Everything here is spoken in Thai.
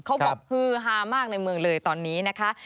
ฮือฮามากในเมืองเลยตอนนี้นะคะ